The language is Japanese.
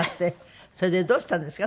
それでどうしたんですか？